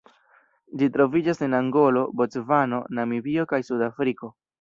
Ĝi troviĝas en Angolo, Bocvano, Namibio kaj Sudafriko.